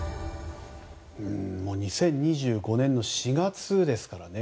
２０２５年の４月ですからね。